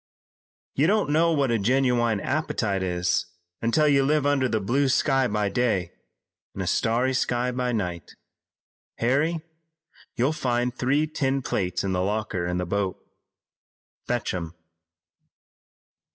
"You don't know what a genuine appetite is until you live under the blue sky by day, and a starry sky by night. Harry, you'll find three tin plates in the locker in the boat. Fetch 'em."